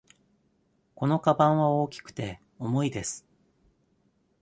このかばんは大きくて、重いです。